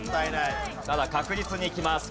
ただ確実にいきます。